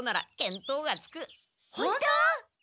本当？